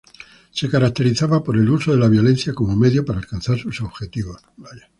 Se caracterizaba por el uso de la violencia como medio para alcanzar sus objetivos.